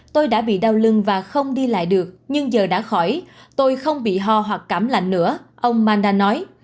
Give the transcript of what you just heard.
tôi đã bị đau lưng và không đi lại được nhưng giờ đã khỏi tôi không bị ho hoặc cảm lạnh nữa ông manda nói